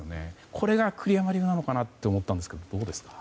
これが栗山流なのかなと思ったんですが、どうですか。